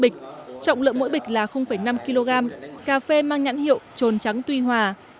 bịch lượng mỗi bịch là năm kg cà phê mang nhãn hiệu trồn trắng tuy hòa